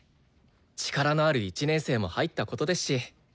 力のある１年生も入ったことですし。